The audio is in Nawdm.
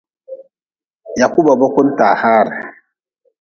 Yaku ba boku-n taa haare.